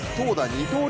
二刀流